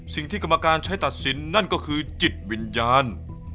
สิ่งที่กรรมการใช้ตัดสินนั่นก็คือจิตวิญญาณ